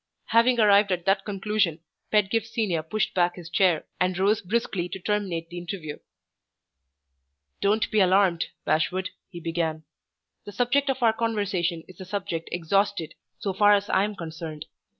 Having arrived at that conclusion, Pedgift Senior pushed back his chair, and rose briskly to terminate the interview. "Don't be alarmed, Bashwood," he began. "The subject of our conversation is a subject exhausted, so far as I am concerned.